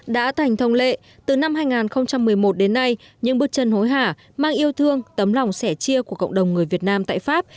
đã thành thông lệ từ năm hai nghìn một mươi một đến nay những bước chân hối hả mang yêu thương tấm lòng sẻ chia của cộng đồng người việt nam tại pháp